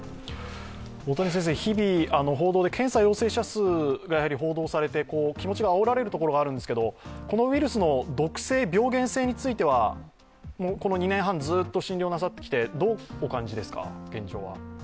日々、検査陽性者数が報道されて気持ちがあおられるところがあるんですけれども、このウイルスの毒性、病原性についてはこの２年半、ずっと診療なさってきて現状はどうお感じですか？